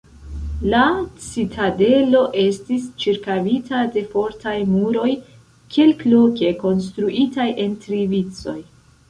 La citadelo estis ĉirkaŭita de fortaj muroj kelkloke konstruitaj en tri vicoj.